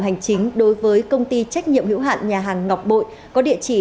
hành chính đối với công ty trách nhiệm hữu hạn nhà hàng ngọc bội có địa chỉ